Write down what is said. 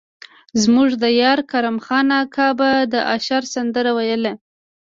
زموږ د ديار کرم خان اکا به د اشر سندره ويله.